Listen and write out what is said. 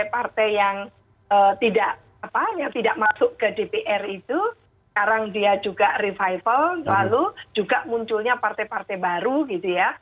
partai yang tidak masuk ke dpr itu sekarang dia juga revival lalu juga munculnya partai partai baru gitu ya